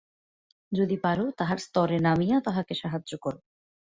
যদি পার তাহার স্তরে নামিয়া তাহাকে সাহায্য কর।